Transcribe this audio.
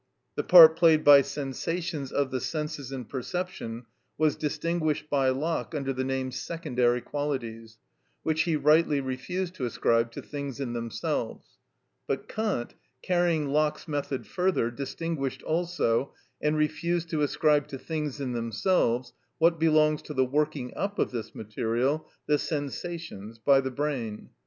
The part played by sensations of the senses in perception was distinguished by Locke under the name secondary qualities, which he rightly refused to ascribe to things in themselves. But Kant, carrying Locke's method further, distinguished also, and refused to ascribe to things in themselves what belongs to the working up of this material (the sensations) by the brain.